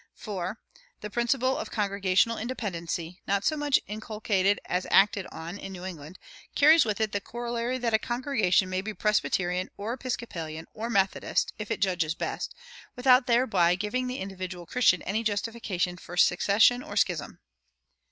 4. The principle of congregational independency, not so much inculcated as acted on in New England, carries with it the corollary that a congregation may be Presbyterian or Episcopalian or Methodist, if it judges best, without thereby giving the individual Christian any justification for secession or schism.